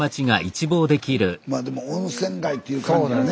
まあでも温泉街っていう感じやね。